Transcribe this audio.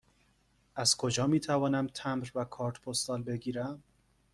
از کجا می توانم تمبر و کارت پستال بگیرم؟